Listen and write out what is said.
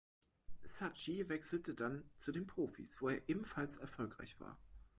Sacchi wechselte dann zu den Profis, wo er ebenfalls erfolgreich war.